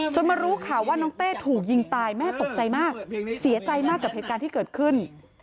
มารู้ข่าวว่าน้องเต้ถูกยิงตายแม่ตกใจมากเสียใจมากกับเหตุการณ์ที่เกิดขึ้น